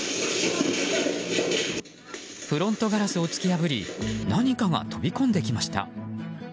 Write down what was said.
フロントガラスを突き破り何かが飛び込んできました。